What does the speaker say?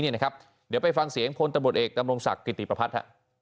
เดี๋ยวไปฟังเสียงพลตำรวจเอกดำรงศักดิ์กิติประพัฒน์